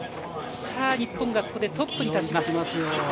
さぁ、日本がここでトップに立ちます。